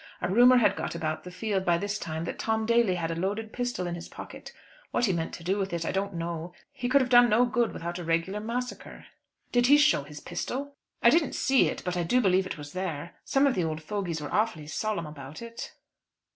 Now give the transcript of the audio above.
A rumour had got about the field by this time that Tom Daly had a loaded pistol in his pocket. What he meant to do with it I don't know. He could have done no good without a regular massacre." "Did he show his pistol?" "I didn't see it; but I do believe it was there. Some of the old fogies were awfully solemn about it."